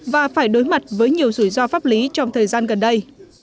và phải đối mặt với nhiều rủi ro pháp lý trong thời gian gần đây